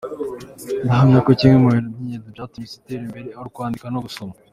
Ndahamyako kimwe mu bintu by’ingenzi byatumye isi itera imbere ari ukwandika no gusoma.